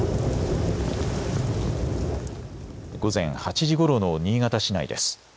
午前８時ごろの新潟市内です。